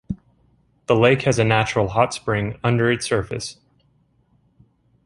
The lake has a natural hot spring under its surface.